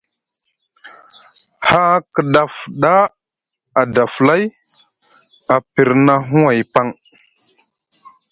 Haa kidaf a da flay, a pirna huway paŋ.